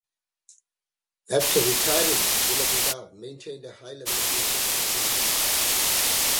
After retiring, Vinogradov maintained a high level of interest in the Middle East.